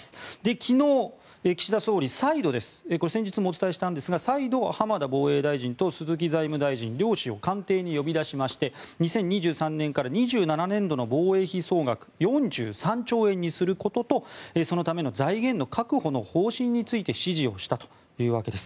昨日、岸田総理は先日もお伝えしたんですが再度、浜田防衛大臣と鈴木財務大臣両氏を官邸に呼び出して２０２３年から２０２７年度の防衛費を４３兆円にすることとそのための財源の確保の方針について指示をしたというわけです。